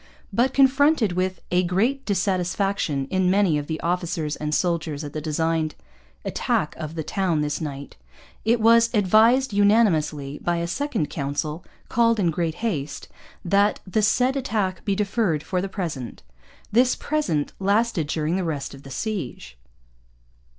But, confronted with 'a great Dissatysfaction in many of the officers and Souldiers at the designed attack of the towne this Night,' it was 'Advised, Unanimously,' by a second council, called in great haste, 'that the Said Attack be deferred for the Present.' This 'Present' lasted during the rest of the siege.